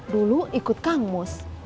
dulu ikut kangmus